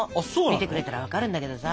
見てくれたら分かるんだけどさ。